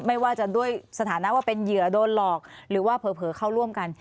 ไม่ว่าจะด้วยสถานะว่าเป็นเหยื่อโดนหลอกหรือว่าเผลอเข้าร่วมกัน